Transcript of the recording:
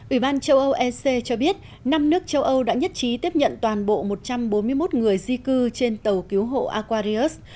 ủy ban châu âu ec cho biết năm nước châu âu đã nhất trí tiếp nhận toàn bộ một trăm bốn mươi một người di cư trên tàu cứu hộ aquarius